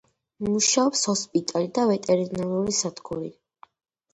მუშაობს ჰოსპიტალი და ვეტერინარული სადგური.